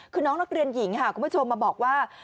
คือน้องนักเรียนหญิงค่ะคุณผู้ชมมาบอกว่า